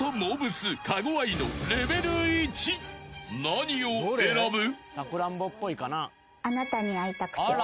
［何を選ぶ？］